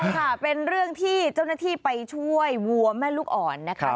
ค่ะเป็นเรื่องที่เจ้าหน้าที่ไปช่วยวัวแม่ลูกอ่อนนะคะ